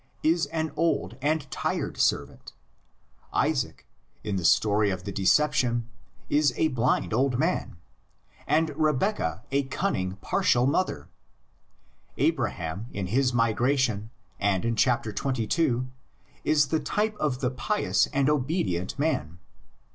is an old and tried servant ; Isaac, in the story of the decep tion, is a blind old man, and Rebeccah a cunning, partial mother; Abraham in his migration and in chap. xxii. is the type of the pious and obedient man.